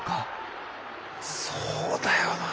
そうだよなあ。